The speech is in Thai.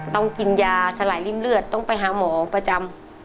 ต้องกินยาสลายริ่มเลือดต้องไปหาหมอประจำ